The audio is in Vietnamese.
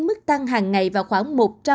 mức tăng hàng ngày vào khoảng